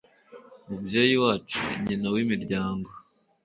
mubyeyi wacu, nyina w'imiryango